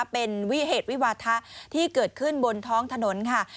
เป็นวิเหตุวิวาทะที่เกิดขึ้นบนท้องถนนค่ะ